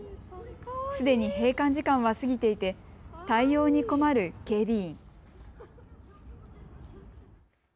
すでに閉館時間は過ぎていて対応に困る警備員。